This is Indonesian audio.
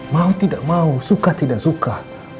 mau tidak mau suka tidak suka